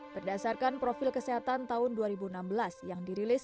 berdasarkan profil kesehatan tahun dua ribu enam belas yang dirilis